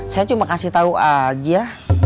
saya cuma kasih tahu aja